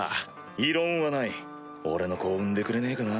異論はない俺の子を産んでくれねえかな。